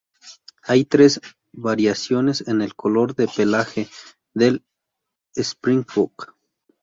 Hay tres variaciones en el color del pelaje del springbok.